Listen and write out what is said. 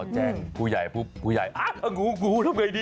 อ๋อแจ้งผู้ใหญ่ผู้ใหญ่อ่ะงูทำไมดิ